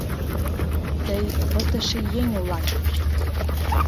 Тый пытыше еҥ улат!